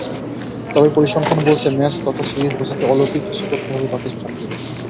তবে পরিসংখ্যান বলছে, ম্যাচ তথা সিরিজ বাঁচাতে অলৌকিক কিছু করতে হবে পাকিস্তানকে।